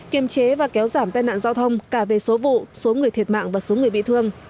kiềm chế và kéo giảm tai nạn giao thông cả về số vụ số người thiệt mạng và số người bị thương